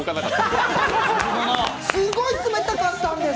すごい冷たかったんです！